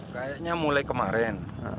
kayaknya mulai kemarin